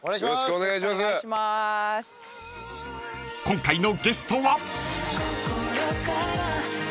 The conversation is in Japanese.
［今回のゲストは］